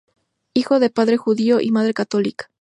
Hijo de padre judío y madre católica.